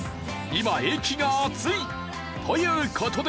今駅が熱い！という事で。